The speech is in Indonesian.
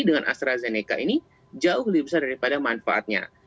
dengan astrazeneca ini jauh lebih besar daripada manfaatnya